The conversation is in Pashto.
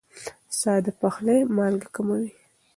ساده پخلی مالګه کموي.